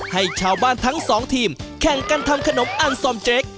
ให้ชาวบ้านทั้งสองทีมแข่งกันทำขนมอันซอมเจ๊ก